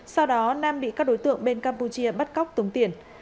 sau đó nam bị các đối tượng bên campuchia bắt cóc tống tiền